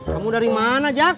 kamu dari mana jak